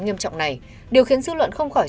nghiêm trọng này điều khiến dư luận không khỏi